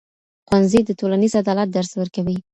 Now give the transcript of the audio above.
ښوونځی د ټولنیز عدالت درس ورکوي.